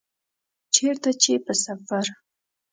چیرته چي په سفر